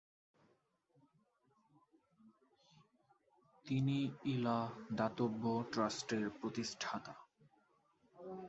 তিনি ইলা দাতব্য ট্রাস্টের প্রতিষ্ঠাতা।